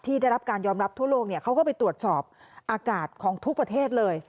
ได้รับการยอมรับทั่วโลกเขาก็ไปตรวจสอบอากาศของทุกประเทศเลย